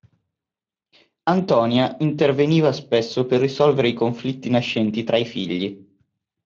Antonia interveniva spesso per risolvere i conflitti nascenti tra i figli.